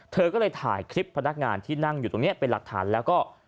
เธอก็เลยถ่ายคลิปพนักงานที่นั่งอยู่ตรงนี้เป็นหลักฐานแล้วก็